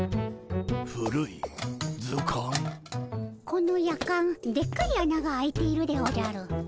このやかんでっかいあなが開いているでおじゃる。